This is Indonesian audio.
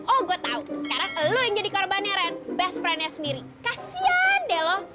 oh gue tau sekarang lo yang jadi korbannya ren best friendnya sendiri kasihan deh lo